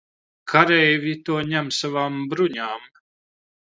Kareivji to ņem savām bruņām.